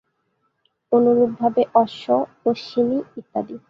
অনুরূপভাবে অশ্ব, অশ্বিনী ইত্যাদি।